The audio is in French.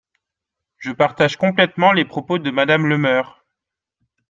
Je partage complètement les propos de Madame Le Meur.